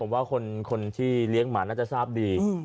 ผมว่าคนที่เลี้ยงหมาน่าจะทราบดี